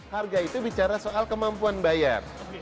harga itu bicara soal kemampuan bayar